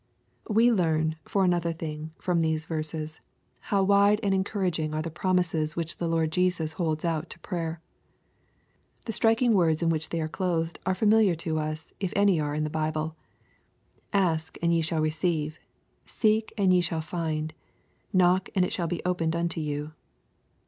We learn, for another thing, from these verses, how wide and encouraging are the promises which the Lord Jesus holds out to prayer. The striking words in which they are clothed are familiar to us if any are in the Bible : "Ask, and ye shall receive ; seek, and ye shall find ; knock, and it shall be opened unto you.''